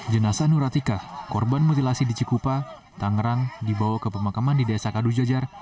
jenasa nuratika korban mutilasi di cikupa tangerang dibawa ke pemakaman di desa kadujajar